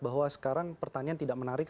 bahwa sekarang pertanyaan tidak menarik